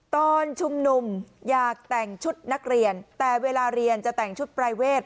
ตอนชุมนุมอยากแต่งชุดนักเรียนแต่เวลาเรียนจะแต่งชุดปรายเวท